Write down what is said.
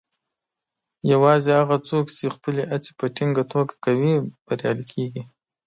یوازې هغه څوک چې خپلې هڅې په ټینګه توګه کوي، بریالي کیږي.